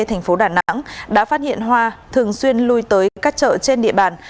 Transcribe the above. thành phố đà nẵng đã phát hiện hoa thường xuyên lui tới các chợ trên địa bàn